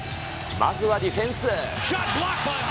まずはディフェンス。